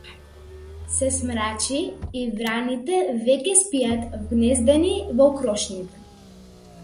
Се смрачи и враните веќе спијат вгнездени во крошните.